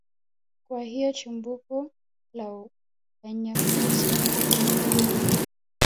kwa hiyo chimbuko la wanyakyusa ni pande mbili